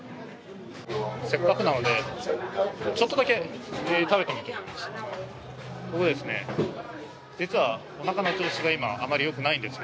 せっかくなので、ちょっとだけ食べてみようと思います。